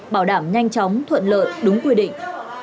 bảo đảm nhanh chóng thuận lợi đúng quy định